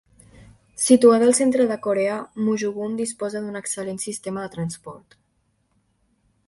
Situada al centre de Corea, Muju-gun disposa d'un excel·lent sistema de transport.